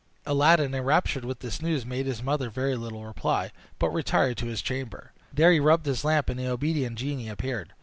Aladdin, enraptured with this news, made his mother very little reply, but retired to his chamber. There he rubbed his lamp, and the obedient genie appeared.